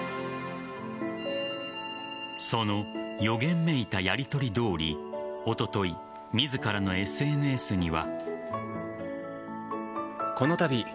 その予言めいた、やりとりどおりおととい、自らのＳＮＳには。